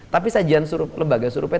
tapi sajian lembaga survei